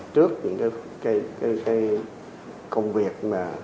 trước những công việc